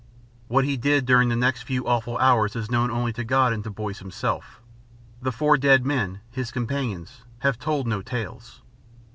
What he did during the next few awful hours is known only to God and to Boyce himself. The four dead men, his companions, have told no tales.